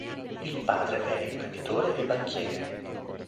Il padre era imprenditore e banchiere.